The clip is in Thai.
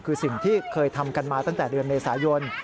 คือสิ่งที่เคยทำกันมาตั้งแต่เดือนเมษายน